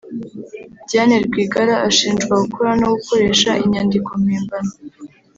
Diane Rwigara ashinjwa gukora no gukoresha inyandiko mpimbano